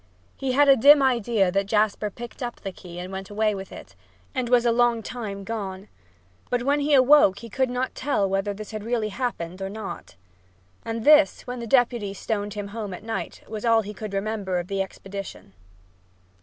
He had a dim idea that Jasper picked up the key and went away with it, and was a long time gone, but when he awoke he could not tell whether this had really happened or not. And this, when The Deputy stoned him home that night, was all he could remember of the expedition.